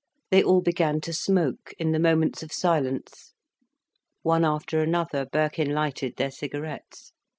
They all began to smoke, in the moments of silence. One after another, Birkin lighted their cigarettes.